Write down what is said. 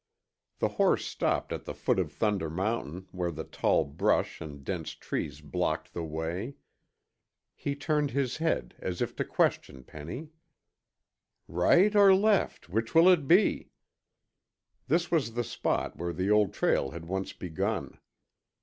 The horse stopped at the foot of Thunder Mountain where the tall brush and dense trees blocked the way. He turned his head as if to question Penny: "Right or left, which will it be?" This was the spot where the old trail had once begun.